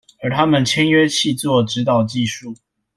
而他們簽約契作，指導技術